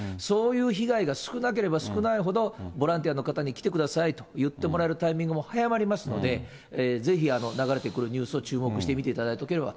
そういう被害が少なければ少ないほど、ボランティアの方に来てくださいと言ってもらえるタイミングも早まりますので、ぜひ流れてくるニュースを注目して見ていていただ